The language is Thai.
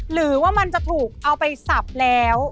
หรือว่ามันจะถูกเอาไปสับแล้ว